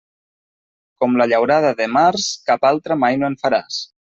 Com la llaurada de març, cap altra mai no en faràs.